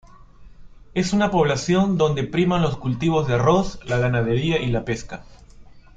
Es una población donde priman los cultivos de arroz, la ganadería y la pesca.